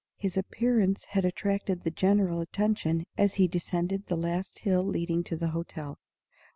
His appearance had attracted general attention as he descended the last hill leading to the hotel.